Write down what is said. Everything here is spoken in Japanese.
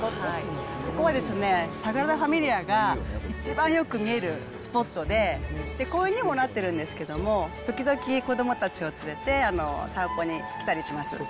ここはですね、サグラダファミリアが一番よく見えるスポットで、公園にもなってるんですけども、時々、子どもたちを連れて散歩に来たりします。